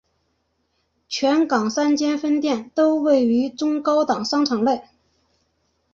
全港三间分店都位于中高档商场内。